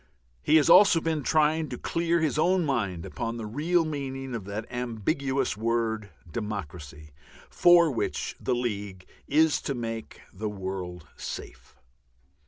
He has also been trying to clear his own mind upon the real meaning of that ambiguous word "democracy," for which the League is to make the world "safe."